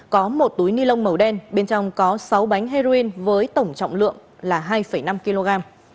có một túi ni lông màu đen bên trong có sáu bánh heroin với tổng trọng lượng là hai năm kg